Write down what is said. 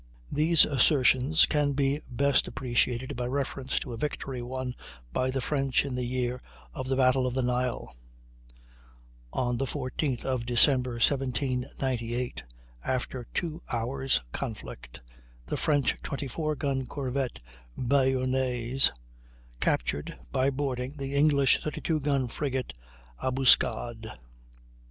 These assertions can be best appreciated by reference to a victory won by the French in the year of the Battle of the Nile. On the 14th of December, 1798, after two hours' conflict, the French 24 gun corvette Bayonnaise captured, by boarding, the English 32 gun frigate Ambuscade.